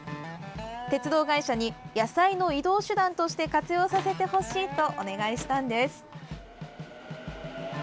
鉄道会社に野菜の移動手段として活用させてほしいとお願いしたんです。